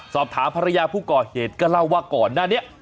สอบถามภรรยาผู้ก่อเหตุก็เล่าว่าก่อนหน้านี้